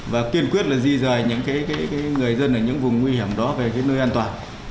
và kiên quyết di dời những người dân ở những vùng nguy hiểm đó về nơi an toàn